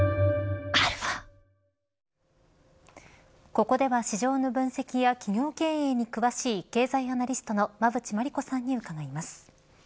ここでは市場の分析や企業経営に詳しい経済アナリストの馬渕磨理子さんに伺います。